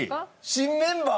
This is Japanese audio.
新メンバー！